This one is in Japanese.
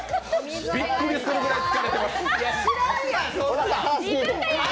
びっくりするぐらい疲れてます。